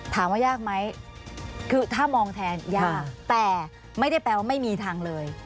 ถามว่ายากไหมคือถ้ามองแทนยากแต่ไม่ได้แปลว่าไม่มีทางเลย